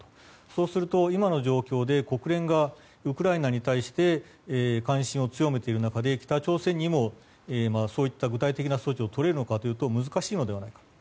そうすると今の状況で国連がウクライナに対して関心を強めている中で北朝鮮にもそういった具体的な措置をとれるのかというと難しいのではないか。